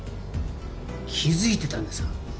気付いてたんですか？